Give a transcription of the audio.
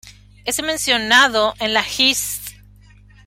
Es mencionado en la "Hist.